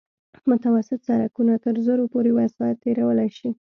متوسط سرکونه تر زرو پورې وسایط تېرولی شي